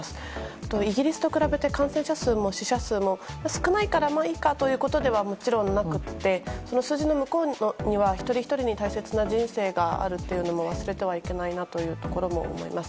あと、イギリスと比べて感染者数も死者数も少ないからまあ、いいかということではもちろんなくてその数字の向こうには一人ひとりに大切な人生があるということも忘れてはいけないと思います。